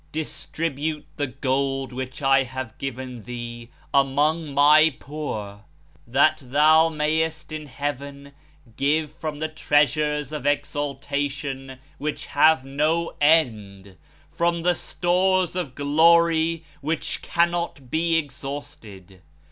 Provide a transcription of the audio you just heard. Distribute the gold which I have given thee among My Poor, that thou mayest in Heaven give from the Treasures of Exaltation which have no end, from the Stores of Glory which cannot be exhausted.